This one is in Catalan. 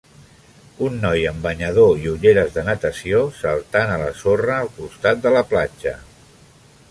Un noi amb banyador i ulleres de natació saltant a la sorra al costat de la platja